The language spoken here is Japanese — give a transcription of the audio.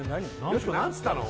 よしこ何つったの？